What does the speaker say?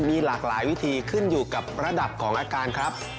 มีหลากหลายวิธีขึ้นอยู่กับระดับของอาการครับ